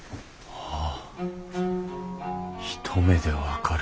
はあ。